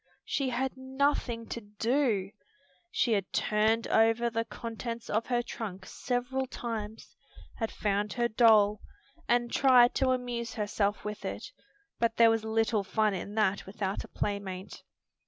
She had nothing to do. She had turned over the contents of her trunk several times, had found her doll, and tried to amuse herself with it, but there was little fun in that without a playmate.